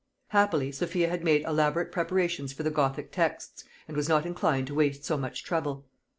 Happily Sophia had made elaborate preparations for the Gothic texts, and was not inclined to waste so much trouble.